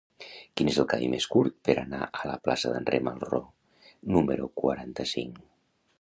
Quin és el camí més curt per anar a la plaça d'André Malraux número quaranta-cinc?